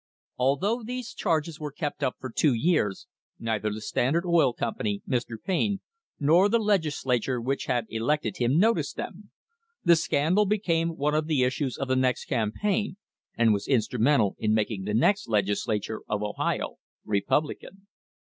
" Although these charges were kept up for two years neither the Standard Oil Company, Mr. Payne, nor the Legislature which had elected him noticed them. The scandal became one of the issues of the next campaign and was instrumental in making the next Legislature of Ohio Republican.